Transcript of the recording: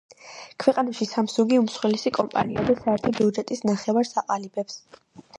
ქვეყანაში სამსუნგი უმსხვილესი კომპანიაა და საერთო ბიუჯეტის ნახევარს აყალიბებს.